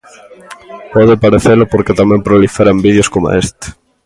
Pode parecelo porque tamén proliferan vídeos coma este.